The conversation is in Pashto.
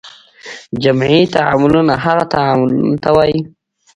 جمعي تعاملونه هغه تعاملونو ته وایي.